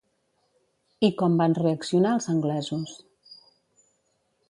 I com van reaccionar els anglesos?